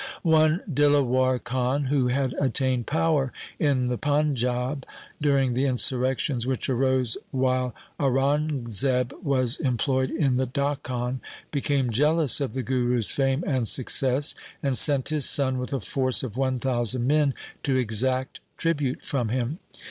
One Dilawar Khan, who had attained power in the Panjab during the insurrections which arose while Aurangzeb was employed in the Dakhan, became jealous of the Guru's fame and success, and sent his son with a force of one thousand men to exact tribute from him.